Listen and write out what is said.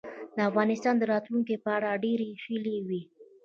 د افغانستان د راتلونکې په اړه ډېرې هیلې وې.